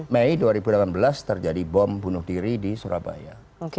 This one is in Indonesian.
mei dua ribu delapan belas terjadi bom bunuh diri di surabaya